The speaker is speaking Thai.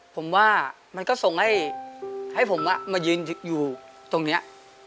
ผมว่ามันก็ส่งให้ผมมายืนอยู่ตรงนี้